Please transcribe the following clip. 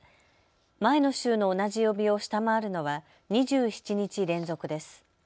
前の週の同じ曜日を下回るのは２７日連続です。